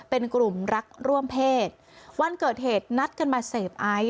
เป็นกลุ่มรักร่วมเพศวันเกิดเหตุนัดกันมาเสพไอซ